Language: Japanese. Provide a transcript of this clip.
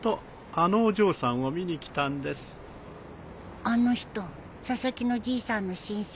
あの人佐々木のじいさんの親戚？